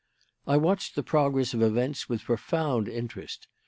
"I watched the progress of events with profound interest.